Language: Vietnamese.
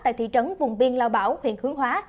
tại thị trấn vùng biên lao bảo huyện hướng hóa